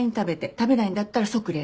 食べないんだったら即冷凍。